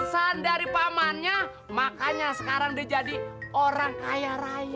hantungannya pas lain tiga